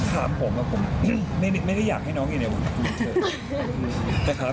ถามผมอะผมไม่ได้อยากให้น้องอยู่ในวงการเลย